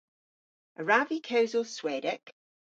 A wrav vy kewsel Swedek?